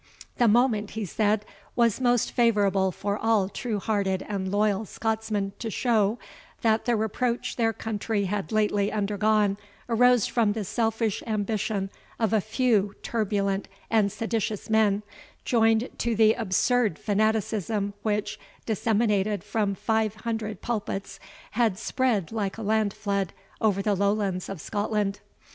"The moment," he said, "was most favourable for all true hearted and loyal Scotchmen to show, that the reproach their country had lately undergone arose from the selfish ambition of a few turbulent and seditious men, joined to the absurd fanaticism which, disseminated from five hundred pulpits, had spread like a land flood over the Lowlands of Scotland.